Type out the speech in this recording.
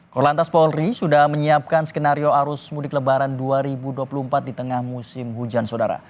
korlantas polri sudah menyiapkan skenario arus mudik lebaran dua ribu dua puluh empat di tengah musim hujan sodara